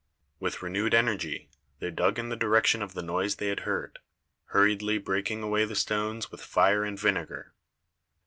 With renewed energy they dug in the direction of the noise they had heard, hurriedly breaking away the stones with fire and vinegar.